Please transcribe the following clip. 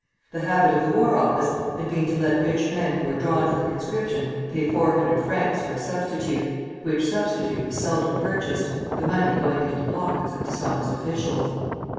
The habit of the War Office had been to let rich men who were drawn for the conscription pay four hundred francs for a substitute, which substitute was seldom purchased, the money going into the pockets of dishonest officials.